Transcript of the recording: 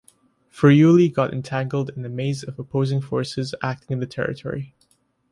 Friuli got entangled in the maze of opposing forces acting in the territory.